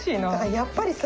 やっぱりさ。